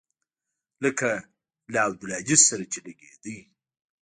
لکه له عبدالهادي سره چې لګېده.